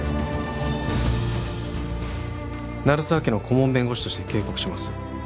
鳴沢家の顧問弁護士として警告します